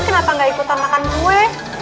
kenapa gak ikutan makan kue